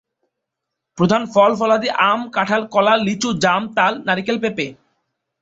প্রধান ফল-ফলাদি আম, কাঁঠাল, কলা, লিচু, জাম, তাল, নারিকেল, পেঁপে।